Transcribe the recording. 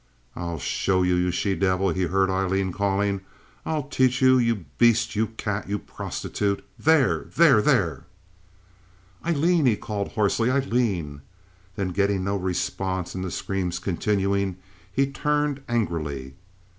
"I'll show you, you she devil!" he heard Aileen calling. "I'll teach you, you beast! You cat, you prostitute! There! there! there!" "Aileen!" he called, hoarsely. "Aileen!" Then, getting no response, and the screams continuing, he turned angrily.